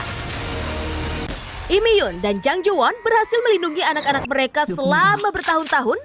lee mi yoon dan jang jong won berhasil melindungi anak anak mereka selama bertahun tahun